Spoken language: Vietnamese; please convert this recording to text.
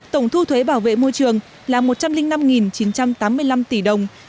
tổng thu thuế bảo vệ môi trường là một trăm linh năm chín trăm tám mươi năm tỷ đồng